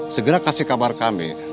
segera kasih kabar kami